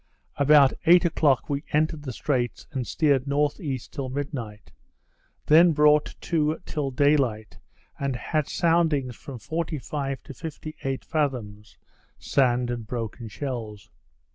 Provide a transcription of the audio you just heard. About eight o'clock we entered the straits, and steered N.E. till midnight; then brought to till day light, and had soundings from forty five to fifty eight fathoms, sand and broken shells.